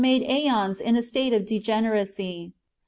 ade ^ons in a state of deirene racy.